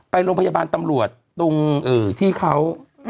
ไปโรงพยาบาลตำรวจตรงที่เขา